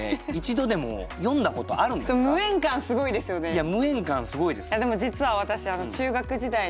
いや無縁感すごいです。